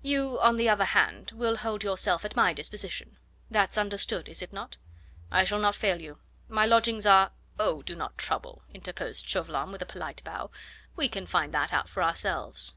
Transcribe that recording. You, on the other hand, will hold yourself at my disposition. That's understood, is it not?" "I shall not fail you. My lodgings are " "Oh! do not trouble," interposed Chauvelin, with a polite bow; "we can find that out for ourselves."